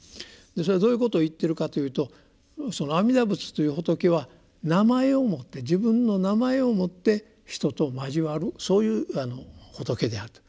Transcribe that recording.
それはどういうことを言ってるかというとその阿弥陀仏という仏は名前をもって自分の名前をもって人と交わるそういう仏であると。